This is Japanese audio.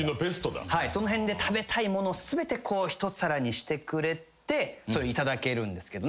その辺で食べたいもの全て一皿にしてくれて頂けるんですけど。